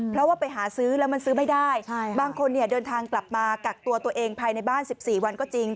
เพราะว่าไปหาซื้อแล้วมันซื้อไม่ได้บางคนเดินทางกลับมากักตัวตัวเองภายในบ้าน๑๔วันก็จริง